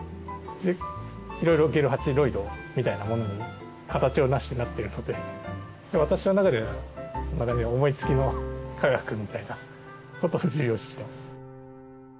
いろいろゲルハチロイドみたいなものに形をなしてなってるので私の中では思いつきの科学みたいなことを重要視してます。